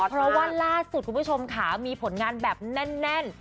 เพราะว่าล่าสุดคุณผู้ชมค่ะมีผลงานแบบแน่น